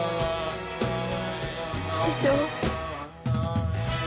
師匠。